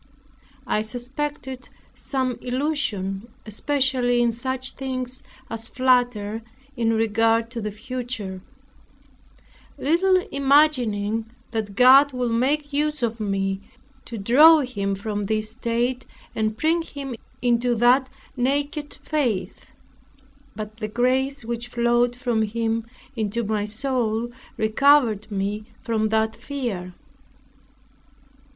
I suspected some illusion, especially in such things as flatter in regard to the future; little imagining that God would make use of me to draw him from this state and bring him into that naked faith. But the grace, which flowed from Him into my soul, recovered me from that fear.